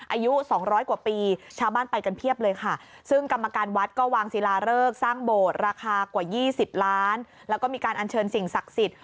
อายุสองร้อยกว่าปีชาวบ้านไปกันเพียบเลยค่ะซึ่งกรรมการวัดก็วางศิลาเริกสร้างโบสถ์ราคากว่า๒๐ล้านแล้วก็มีการอัญเชิญสิ่งศักดิ์สิทธิ